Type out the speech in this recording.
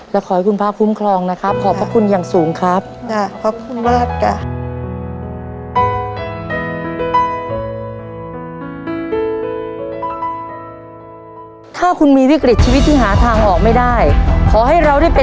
และขอให้คุณพระคุ้มครองนะครับขอบพระคุณอย่างสูงครับ